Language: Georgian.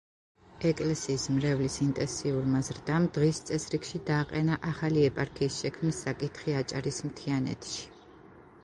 ეკლესიის მრევლის ინტენსიურმა ზრდამ დღის წესრიგში დააყენა ახალი ეპარქიის შექმნის საკითხი აჭარის მთიანეთში.